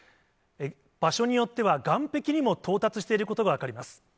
場所によっては、岩壁にも到達していることが分かります。